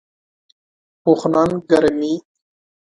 پوخ نان ګرم وي